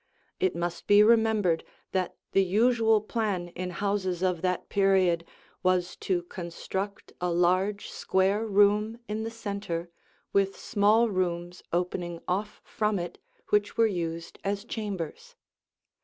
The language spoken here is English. It must be remembered that the usual plan in houses of that period was to construct a large, square room in the center with small rooms opening off from it which were used as chambers.